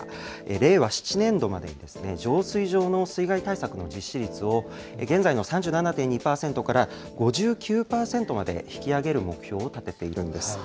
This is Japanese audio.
令和７年度までに浄水場の水害対策の実施率を、現在の３７．２％から５９％まで引き上げる目標を立てているんです。